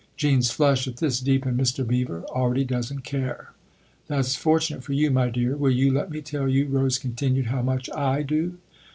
Jean's flush, at this, deepened. " Mr. Beever already doesn't care !"" That's fortunate for you, my dear ! Will you let me tell you," Rose continued, "how much /do